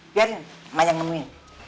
biarin emang aja yang nemuin